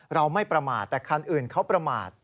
เราไม่ประมาทแต่คันอื่นเขาประมาท